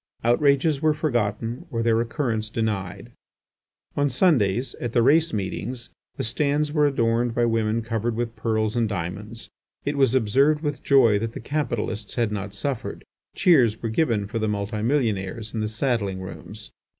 Outrages were forgotten or their occurrence denied. On Sundays, at the race meetings, the stands were adorned by women covered with pearls and diamonds. It was observed with joy that the capitalists had not suffered. Cheers were given for the multi millionaires in the saddling rooms.